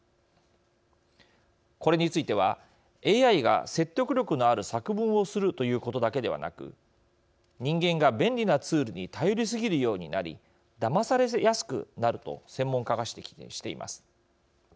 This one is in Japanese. これについてはＡＩが説得力のある作文をするということだけではなく人間が便利なツールに頼りすぎるようになりだまされやすくなると専門家が指摘しています。